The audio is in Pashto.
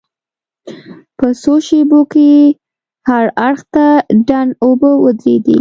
په څو شېبو کې هر اړخ ته ډنډ اوبه ودرېدې.